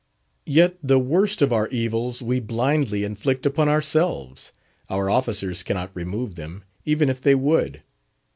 Yet the worst of our evils we blindly inflict upon ourselves; our officers cannot remove them, even if they would.